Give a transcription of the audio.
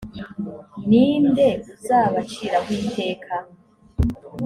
ni nde uzabaciraho iteka